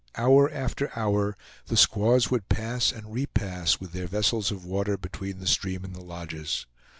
Hour after hour the squaws would pass and repass with their vessels of water between the stream and the lodges.